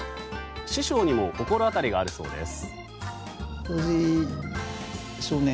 師匠にも心当たりがあるそうです。